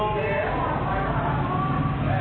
พี่กิน